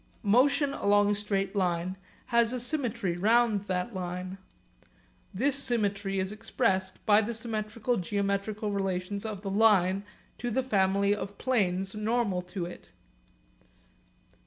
Motion along a straight line has a symmetry round that line. This symmetry is expressed by the symmetrical geometrical relations of the line to the family of planes normal to it.